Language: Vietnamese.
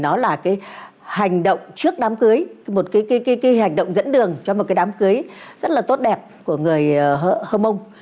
đó là cái hành động trước đám cưới một cái hành động dẫn đường cho một cái đám cưới rất là tốt đẹp của người hơ mông